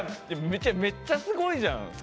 めっちゃすごいじゃん！